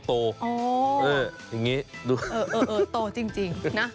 โตจริงนะ